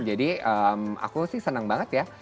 jadi aku sih senang banget ya